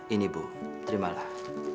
ini bu terimalah